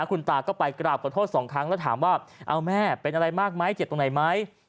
คุณตาก็ไปกราบขอโทษสองครั้งแล้วถามว่าเอาแม่เป็นอะไรมากไหมเจ็บตรงไหนไหม